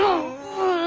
うん！